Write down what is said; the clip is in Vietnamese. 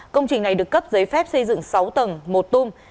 công trình này được cấp giấy phép xây dựng sáu tầng một tung